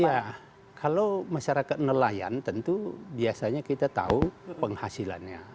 iya kalau masyarakat nelayan tentu biasanya kita tahu penghasilannya